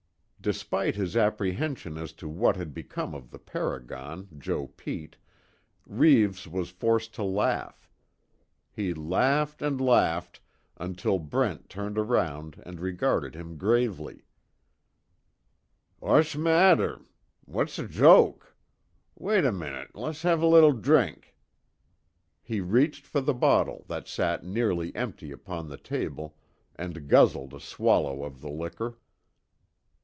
Despite his apprehension as to what had become of the paragon, Joe Pete, Reeves was forced to laugh. He laughed and laughed, until Brent turned around and regarded him gravely: "Wash matter? Wash joke? Wait a minuit lesh have a li'l drink." He reached for the bottle, that sat nearly empty upon the table, and guzzled a swallow of the liquor.